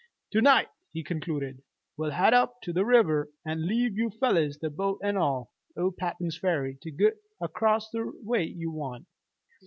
"To night," he concluded, "we'll head up the river, an' leave you fellers the boat an' all o' Papin's Ferry to git acrost the way you want.